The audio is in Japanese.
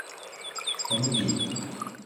おにぎり